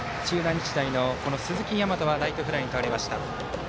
日大の鈴木大和はライトフライに倒れました。